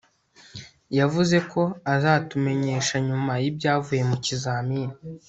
yavuze ko azatumenyesha nyuma y'ibyavuye mu kizamini